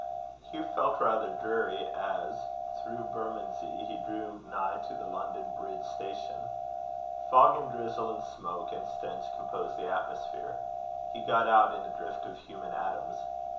Hugh felt rather dreary as, through Bermondsey, he drew nigh to the London Bridge Station. Fog, and drizzle, and smoke, and stench composed the atmosphere. He got out in a drift of human atoms.